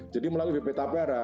jadi melalui bp tapera